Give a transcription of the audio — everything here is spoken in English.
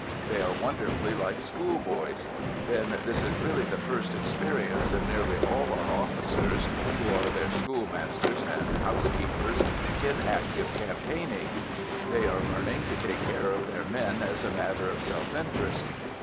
They are wonderfully like school boys. Then this is really the first experience of nearly all our officers (who are their schoolmasters and housekeepers) in active campaigning. They are learning to take care of their men as a matter of self interest.